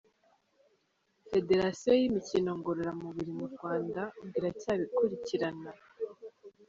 Federasiyo y’imikino ngororamubiri mu Rwanda ngo iracyabikurikirana .